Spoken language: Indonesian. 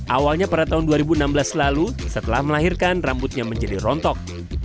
awalnya pada tahun dua ribu enam belas lalu setelah melahirkan rambutnya menjadi rontok